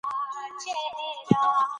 زه د خپل بدن خيال ساتم.